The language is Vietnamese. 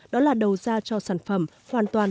đó là đầu ra cho sản phẩm hoàn toàn